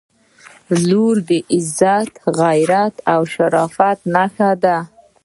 • لور د عزت، غیرت او شرافت نښه ده.